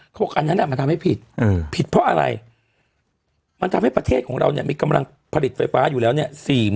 บอกอันนั้นมันทำให้ผิดผิดเพราะอะไรมันทำให้ประเทศของเราเนี่ยมีกำลังผลิตไฟฟ้าอยู่แล้วเนี่ย